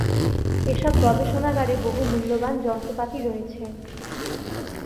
এসব গবেষণাগারে বহু মূল্যবান যন্ত্রপাতি রয়েছে।